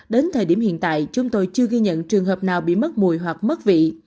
đến thời điểm hiện tại chúng tôi chưa ghi nhận trường hợp nào bị mất mùi hoặc mất vị